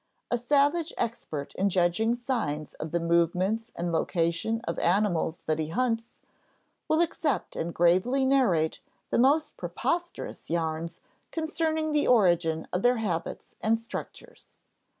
A savage expert in judging signs of the movements and location of animals that he hunts, will accept and gravely narrate the most preposterous yarns concerning the origin of their habits and structures.